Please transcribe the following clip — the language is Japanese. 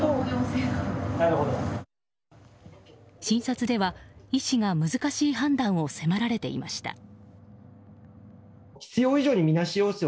診察では医師が難しい判断を迫られていました。